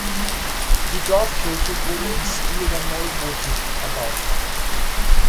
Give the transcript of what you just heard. Die Dorfkirche wurde im Stil der Neugotik erbaut.